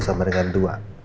sama dengan dua